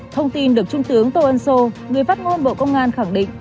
thông tin được trung tướng tô ân sô người phát ngôn bộ công an khẳng định